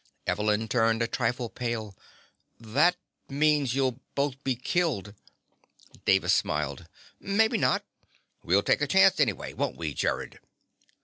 Evelyn turned a trifle pale. "That means you'll both be killed." Davis smiled. "Maybe not. We'll take a chance anyway, won't we, Gerrod?"